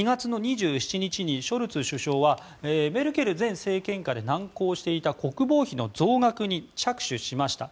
２月２７日にショルツ首相はメルケル前政権下で難航していた国防費の増額に着手しました。